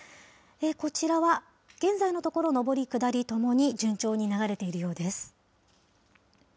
こちらは現在のところ、上り、下りともに順調に流れているようです。